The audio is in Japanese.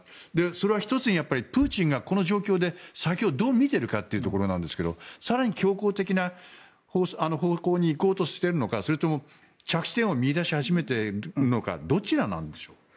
それは１つにプーチンがこの状況で先をどう見てるかということなんですが更に強硬的な方向に行こうとしているのかそれとも着地点を見いだし始めているのかどちらなんでしょう。